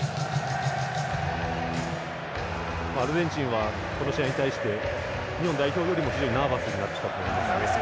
アルゼンチンはこの試合に対して日本代表よりもナーバスになっていると思います。